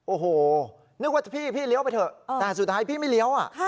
โอ้โหนึกว่าพี่เลี้ยวไปเถอะแต่สุดท้ายพี่ไม่เลี้ยว